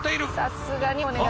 さすがにお願い